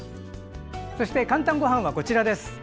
そして「かんたんごはん」はこちらです。